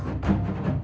aku akan menang